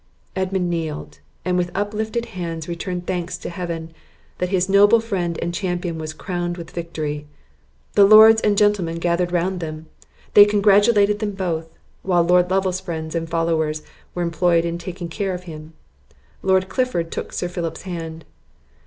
Edmund kneeled, and with uplifted hands returned thanks to Heaven, that his noble friend and champion was crowned with victory. The lords and gentlemen gathered round them, they congratulated them both; while Lord Lovel's friends and followers were employed in taking care of him. Lord Clifford took Sir Philip's hand.